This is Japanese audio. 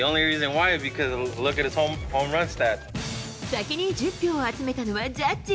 先に１０票を集めたのはジャッジ。